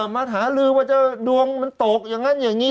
มาหารือว่าดวงเราตกอย่างงั้นอย่างงี้